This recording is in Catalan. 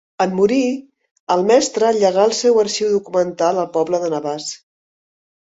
En morir, el mestre llegà el seu arxiu documental al poble de Navàs.